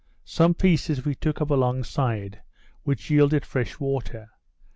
Some pieces we took up along side, which yielded fresh water.